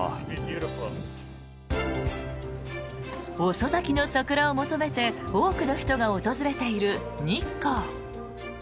遅咲きの桜を求めて多くの人が訪れている日光。